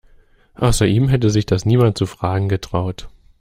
Außer ihm hätte sich das niemand zu fragen getraut.